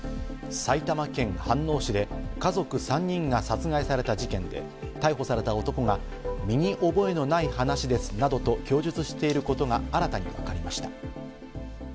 埼玉県飯能市で家族３人が殺害された事件で、逮捕された男が身に覚えのない話ですなどと供述していることが新たに分かりました。